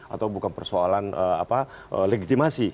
atau bukan persoalan legitimasi